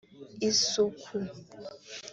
Isuku